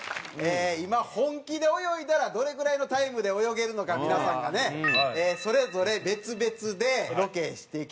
今本気で泳いだらどれぐらいのタイムで泳げるのか皆さんがねそれぞれ別々でロケしてきました。